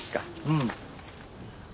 うん。